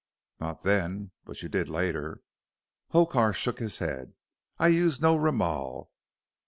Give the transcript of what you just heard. "Not then, but you did later." Hokar shook his head. "I use no roomal.